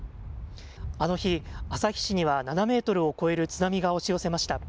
あの日、旭市には７メートルを超える津波が押し寄せました。